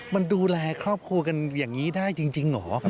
มันดูแลครอบครัวกันอย่างนี้ได้จริงเหรอ